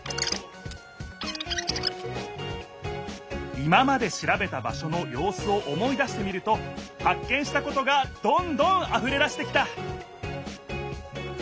今までしらべた場所のようすを思い出してみるとはっ見したことがどんどんあふれだしてきた！